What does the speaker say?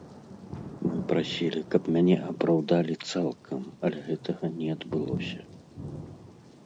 Мы прасілі, каб мяне апраўдалі цалкам, але гэтага не адбылося.